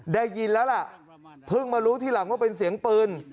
ได้ยินแล้วล่ะเพิ่งมารู้ทีหลังว่าเป็นเสียงปืน